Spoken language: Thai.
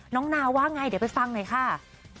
นาว่าไงเดี๋ยวไปฟังหน่อยค่ะ